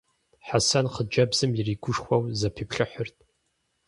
Хьэсэн хъыджэбзым иригушхуэу зэпиплъыхьырт.